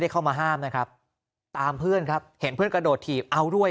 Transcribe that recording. เข้ามาห้ามนะครับตามเพื่อนครับเห็นเพื่อนกระโดดถีบเอาด้วย